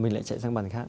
mình lại chạy sang bàn khác